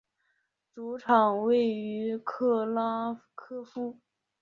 主场位于克拉科夫。